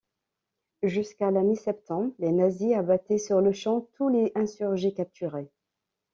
Jusqu'à la mi-septembre, les Nazis abattaient sur-le-champ tous les insurgés capturés.